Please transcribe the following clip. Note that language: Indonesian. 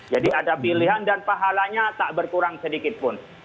jadi ada pilihan dan pahalanya tak berkurang sedikitpun